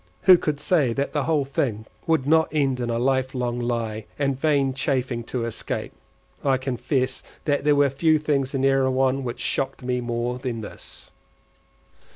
Who could say that the whole thing would not end in a life long lie, and vain chafing to escape? I confess that there were few things in Erewhon which shocked me more than this.